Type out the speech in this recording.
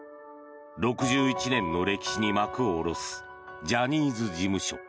６１年の歴史に幕を下ろすジャニーズ事務所。